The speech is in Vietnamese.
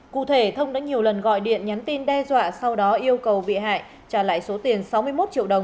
cụ thể thông đã nhiều lần gọi điện nhắn tin đe dọa sau đó yêu cầu bị hại trả lại số tiền sáu mươi một triệu đồng